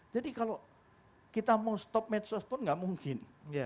jadi kalau kita mau stop medsos pun gak mungkin